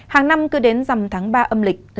hàng năm cứ đến dằm tháng ba âm lịch